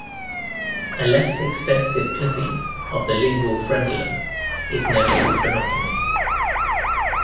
A less extensive clipping of the lingual frenulum is known as a frenotomy.